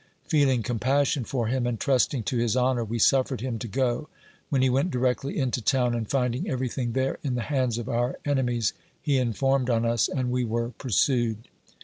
Feeling compassion for him, and trusting to his honor, we suffered him to go, when he went directly into town, and finding every thing there in the hands of our ene Wes, he informed on us, and we were pursued.